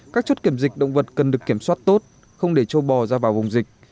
các chốt kiểm dịch động vật cần được kiểm soát tốt không để châu bò ra vào vùng dịch